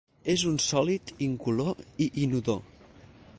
És un sòlid incolor i inodor.